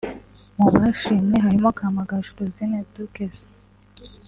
Mu bashimiwe harimo Kamagaju Rosine Duquesne